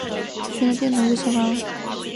钫的电离能比铯稍高。